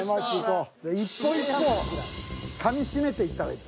一歩一歩かみしめていったらいい。